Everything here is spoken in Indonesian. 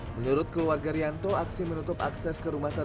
menurut keluarga rianto aksi menutup akses ke rumah tersebut